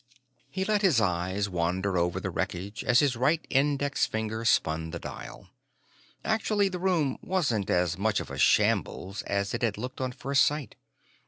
He let his eyes wander over the wreckage as his right index finger spun the dial. Actually, the room wasn't as much of a shambles as it had looked on first sight.